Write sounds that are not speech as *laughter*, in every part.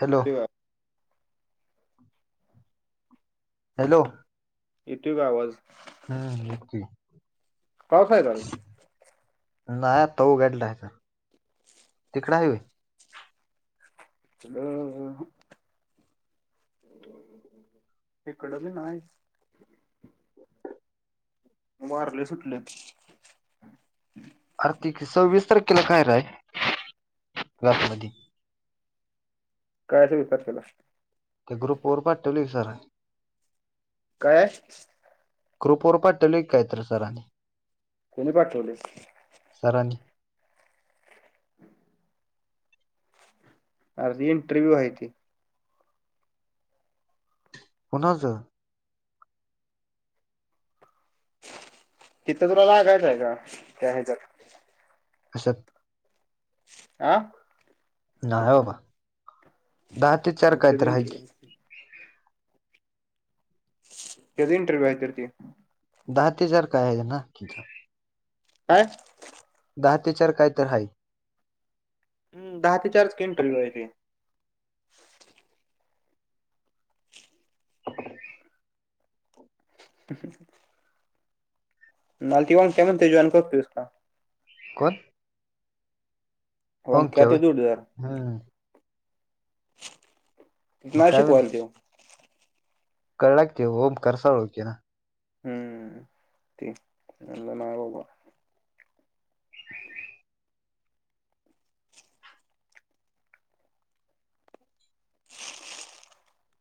Hello येतोय का hello येतोय क आवाज? हा नकी. पाऊस आहे का नाही आत्ता उगडलाय जरा तिकड हाय वय. डं इकडं भी नाहीच. वार लय सुटले. आर्थिक सव्वीस तारखेला काय राय क्लास मध्ये? काय हाय तेवीस तारखेला? ते ग्रुप वर पाठवली की सरांनी. काय हाय? ग्रूप वर पाठवलाय कि काय तर सरांनी. कोणी पाठवले? सरांनी अर्धी इंटरव्यू आहे ती. कोणाजा तिथं तुला लागायच आहे का त्या ह्याच्यात? असत आं नाय हो बा दहा ते चार त्याचं कायतर हाय की. इंटरव्ह्यू कधी इंटरव्यू आहे तर ते? दहा ते चार काय आहे त्यांना? आयं दहा ते चार काय तर हाय. हम दहा ते चारच की इंटरव्ह्यू आहे ते. ह अम्म हम्म. मालती वान केमन ते जॉइन करतोयस का? कोण होंग वांक्या ते केवय जोडदार हां. मग नाशिकवाल त्यो कारळा के तो हो कर्सळ ओळखेना. हम्म ते म्हणलं नाय हो बा.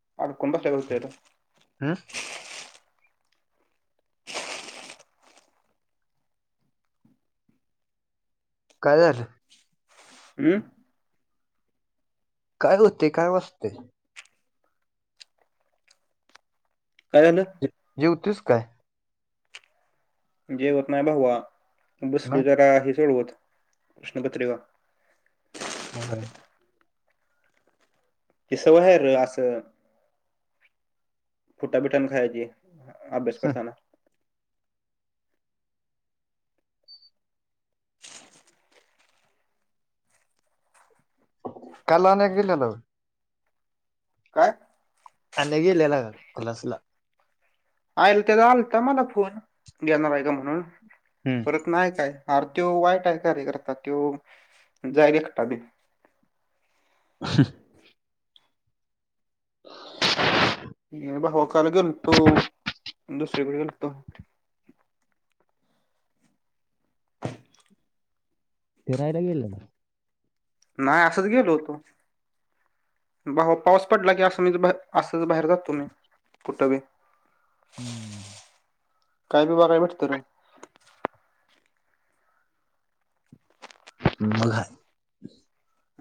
*unintelligible* हां. काय झालं? उम्म काय रोते काय वजते काय झालं? जे जेवतोयस काय? जेवत नाही भावा बसली मग जरा हे सोडवत उष्णपत्रीेवा. होय की सवहेर असं फुट्टा बिटाण खायची अभ्यास करताना. काल आन्या गेलेलोय. काय आन्या गेलेला का क्लासला? आयल त्याला आलता मला फोन घेणार आहे का म्हणून हम्म. परत नाही काय अरे त्यो वाईट आहे कार्य करतात क्यो जाय रे एकटा बी. ह नी हो बा काल गेलतो दुसरीकडे गेलतो. ते राहायला गेलेला. नाही असच गेलो होतो. भाव पाऊस पडला की असं मीच बाहे असच बाहेर जातो मी. कुठं बी हम्म. काय बि बगाया भेटत रे. *inaudible* मला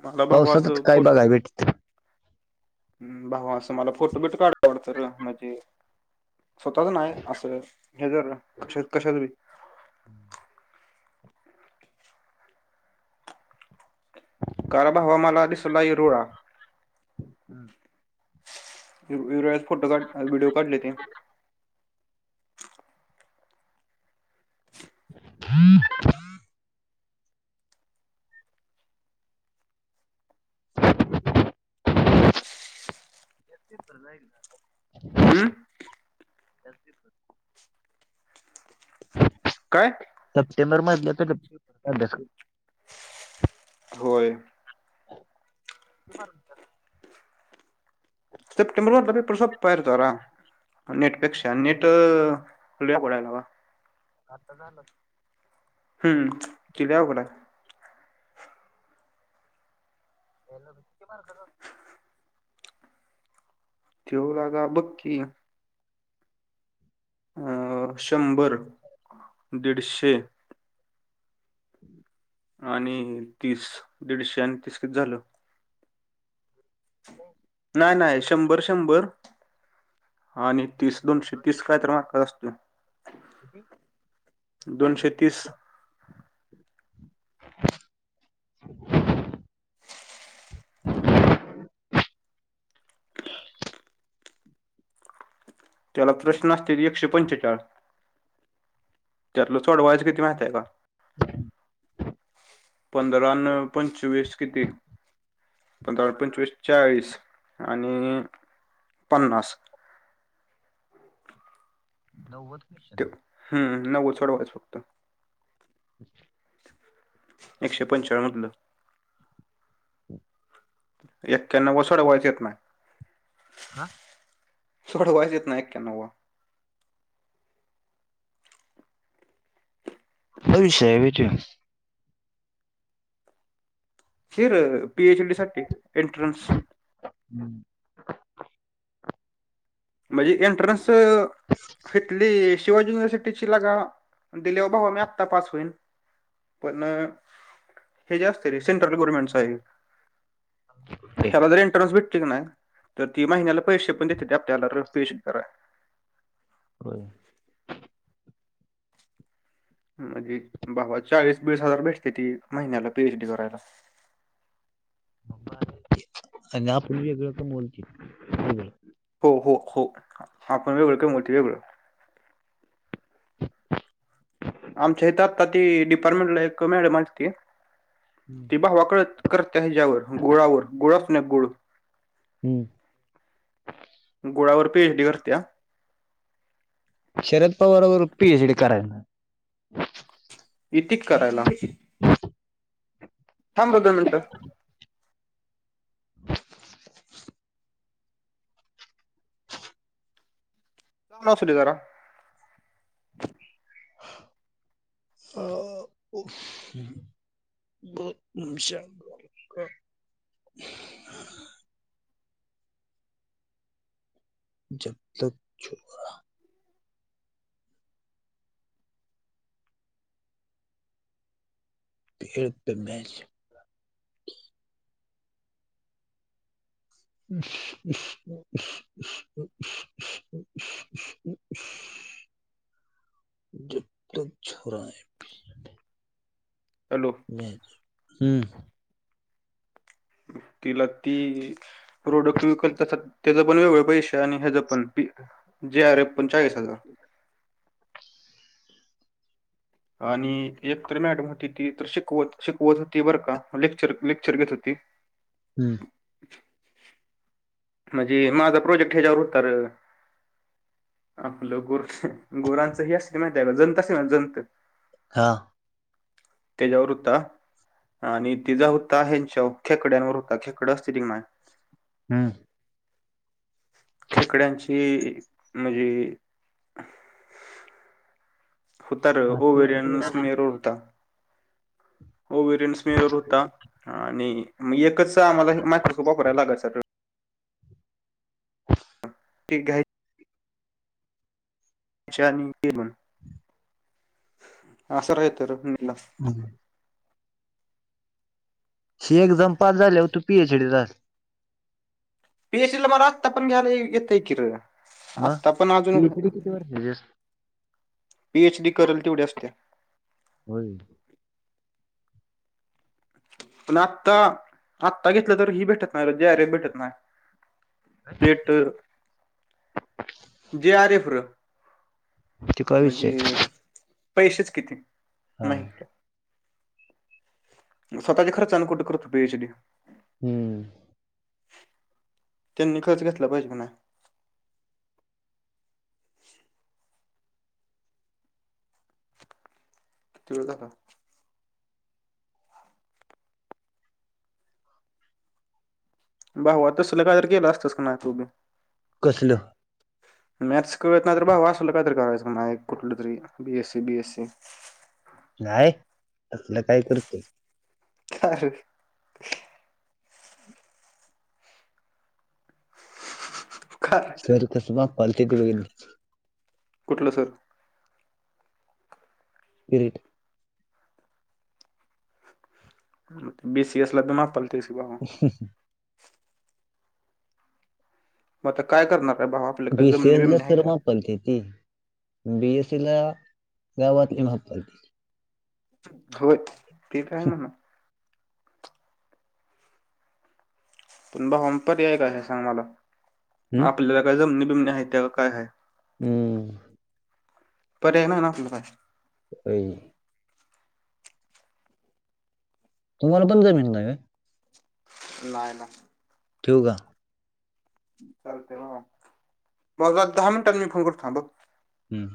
मला भावा असं पावसातच, काय फोट बघाय भेट भावा असं मला फोटो बिट काढतो वाटतं रे, म्हणजे स्वतःच नाही, असं हे जर कश-कशात बी हम्म *inaudible* कार भावा मला, दिसला ईरूळा. हम्. वी-वीरुळ्यात फोटो काढ, व्हडिओ काढले ते. हं *unintelligible* *unintelligible* *inaudible* उं. *unintelligible* काय? सप्टेंबर मधलं तर *unintelligible* अभ्यास होय. ते बर *unintelligible* सप्टेंबर मधला पेपर, सोपाय रे जरा. नेटपेक्षा, नेट अ *unintelligible* पडायलावा. आता झालं. हम्म ती लई अवघड हय. पहिला पेपर किती मारका चा? ठेव ला *unintelligible* बक्की. अं शंभर-दीडशे. हम् *unintelligible* आणि तीस, दीडशे अन तीस किती झालं? हॊ *unintelligible* नाय नाय, शंभर शंभर आणि तीस, दोनशे तीस काय तर मार्क असत. किती? *unintelligible* दोनशे तीस. *unintelligible* *unintelligible* त्याला प्रशन असत्यात एकशे पंचेचाळ. त्यातलं सोडवायचं किती माहितय का? पंधरा अन पंचवीस किती? पंधरावर पंचवीस चाळीस आणि पन्नास. नव्वद, कशे? ते हम नव्वद सोडवायच फक्त. हच् *unintelligible* एकशे पंचेचाळ म्हंटल. हम् *unintelligible* एक्क्यानव व सडवायच येत माय. का? सोडवायचं येत न्हाय एक्यानवा. हा विषय हय हुय त्यो. कीर पीएच डी साठी, एंट्रनस. हम्म. म्हणजे एंट्रन्स हीतली शिवाजी युनिव्हर्सिट ती ची लगा दिल्यावं भावां मी आत्ता पास होईन, पण ते जे असते रे सेंट्रल गव्हर्मेंटंच हाये. ते ह्याला जर एंट्रन्स भेटलई की नाय, तर ती महिन्याला पैशे पण देते त्यात आप त्याला र पी एच कराया. होय? म्हणजी भावा चाळीस वीस हजार भेटते, ती महिन्याला पीएच डी करायला. आणि आपण वेगळं कमवाल की. हो हो हो आपण वेगळं कमवल, ते वेगळं. आमच्या इथ आत्ता ती डिपार्टमेंट ला एक मॅडम आल्ती ती हम्म. भावा कळ-करत हाय ह्याज्यावर गुळावर-गुळ असतोना गुळ. हम्म. गुळावर पीएच डी करते्या? शरद पवारवर पी एच डी कराय. इतिका करायला? थांब रं, दोन मिनट. *unintelligible* असू दे जरा. अह *unintelligible* बत म्हणशर *unintelligible* जब तक छोरा. *unintelligible* मॅच. *inaudible* *unintelligible* जब तक छोरा है. हॅलो? *unintelligible* हम्म. तिला ती, प्रोडक्ट विकत त्याच्यात तेचपण वेगळे पैसे आणि ह्याच पण जे आर एफ पण चाळीस हजार. *inaudible* आणि एकतर मॅडम होती ती तर शिकवत-शिकवत होती बरं का, लेक्चर-लेक्चर घेत होती. हम्म. म्हणजे माझा प्रोजेक्ट ह्याच्यावर होता रं. आपलं गुर-गुरांचं हे असत ना त्याला जंत असतं ना जंत? हां. त्याच्यावर हुता. आणि तिचा होता ह्यांच्याव खेकड्यांवर होता, खेकडं असते ती नाय? हम्म. खेकड्यांची ई म्हणजे होतार, ओवरियन समेर वर हुता. हो वरियन्स मर होता आणि मग एकच आम्हाला मायक्रोस्कोप वापरायला लागायाचं रं. *unintelligible* ज्यांकी म अस राय त रं. *unintelligible* हम्. शी एकदम पास झाल्यावर तू पी एच डी झालं. पी एच डी ल मला आत्ता पण घ्यायला येतय कि र मग आत्ता पण अजून. पीएचडी किती वर्षाची असते? पीएचडी करेल तेवढी असते. होय. पण आत्ता आत्ता घेतलं तर ही भेटत नाही ज्यारे *unintelligible* भेटत नाही. पेट जे आरिफर. ते काय विषय म्हणजे पैसेच कि ते हा न. स्वतःच्या खर्चाने कुठ करतो पीएचडी. हम्म त्यांनी खर्च घेतला पाहिजे म्हणा. *unintelligible* भावा तसला काय तर केलं असतं काना तूपण. कसलंं. म्याथस् कळत नाय तर भावा असल कायतरी करायचं मग डायरेक्ट. कुठल तर एक बीएससी बीएससी. काय तसलं काय करतोस. कारर. काय सर कसुमा पालती त बगन *unintelligible* कुठलं सर? इरीट. बीसीएस ला त मापलतेस बा. ह मत आता काय करणार रे भावा? आपल्या काय जमनी जसेेजला बिमणी आहे सर्मा पलती ती. *unintelligible* बीएसीला गावातलि *unintelligible* होय ते काय मला. पण भावाम पर्याय काय हे सांग मला हम्म. आपल्याला काय जमनी बिमणी आहेत त्या का काय हाय. हम. पर्याय नाही ना आसल काय. प्रे *unintelligible* तुम्हाला पण जमिनी नाय व्हय? नाय ना. ठेव का? चालते भावा *unintelligible* दहा मिनिटांत मी फोन करतो थांब. हम्म